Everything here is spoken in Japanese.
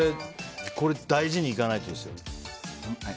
これ大事にいかないとですよ。